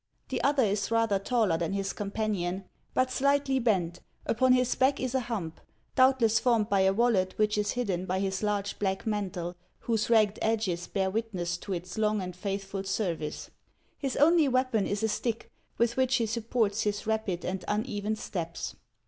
The other is rather taller than his companion, but HANS OF ICELAND. 131 slightly bent ; upon his back is a hump, doubtless formed by a wallet which is hidden by his large black mantle, whose ragged edges bear witness to its long and faithful service. His only weapon is a stick, with which he sup ports his rapid and uneven steps.